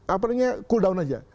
apalagi cool down saja